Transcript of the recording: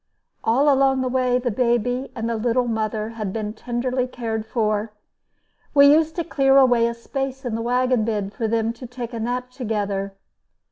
All along the way the baby and the little mother had been tenderly cared for. We used to clear away a space in the wagon bed for them to take a nap together.